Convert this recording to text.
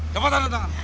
cepat ada tangan